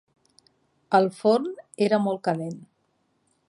El forn era molt calent.